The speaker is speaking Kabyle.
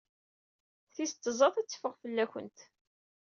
Tis tẓat ad teffeɣ fell-awent.